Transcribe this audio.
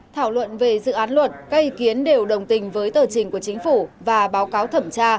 thảo luận về dự án luật các ý kiến đều đồng tình với tờ trình của chính phủ và báo cáo thẩm tra